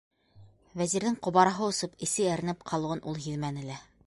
Вәзирҙең ҡобараһы осоп, эсе әрнеп ҡалыуын ул һиҙмәне лә.